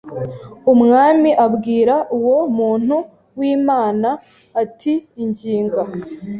Umwami abwira uwo muntu w Imana ati Inginga